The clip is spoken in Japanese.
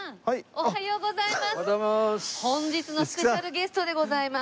おはようございます。